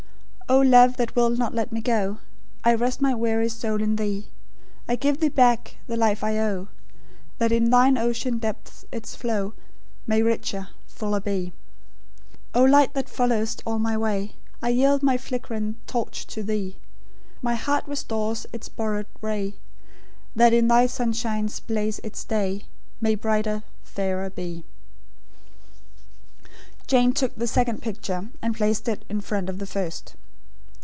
"O Love, that will not let me go, I rest my weary soul in Thee; I give Thee back the life I owe, That in Thine ocean depths its flow May richer, fuller be." "O Light, that followest all my way, I yield my flick'ring torch to Thee; My heart restores its borrowed ray, That in Thy sunshine's blaze its day May brighter, fairer be." Jane took the second picture, and placed it in front of the first.